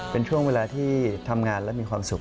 เป็นช่วงเวลาที่ทำงานและมีความสุข